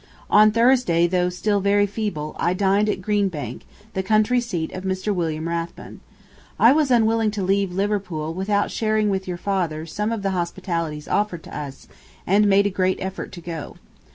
On Thursday, though still very feeble, I dined at Green Bank, the country seat of Mr. William Rathbone. I was unwilling to leave Liverpool without sharing with your father some of the hospitalities offered to us and made a great effort to go.